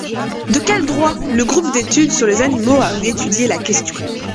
De quel droit ? Le groupe d’études sur les animaux a étudié la question.